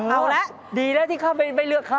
เอาแล้วดีแล้วที่เขาไม่เลือกเขา